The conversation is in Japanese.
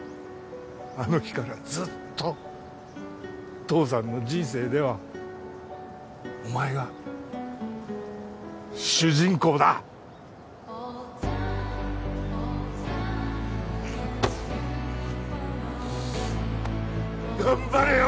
あの日からずっと父さんの人生ではお前が主人公だ頑張れよ